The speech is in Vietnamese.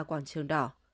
quảng trường đỏ